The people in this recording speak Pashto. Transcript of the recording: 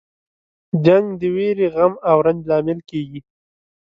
جنګ د ویرې، غم او رنج لامل کیږي.